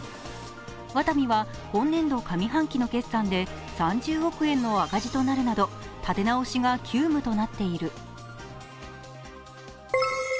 ワタミは今年度上半期の決算で３０億円の赤字となるなど立て直しが急務となっている。